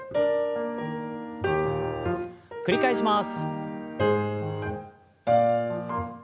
繰り返します。